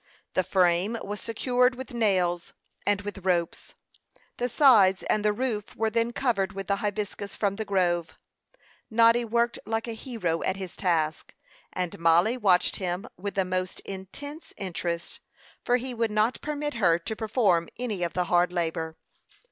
The frame was secured with nails and with ropes. The sides and the roof were then covered with the hibiscus from the grove. Noddy worked like a hero at his task, and Mollie watched him with the most intense interest; for he would not permit her to perform any of the hard labor.